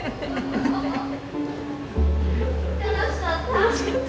楽しかった！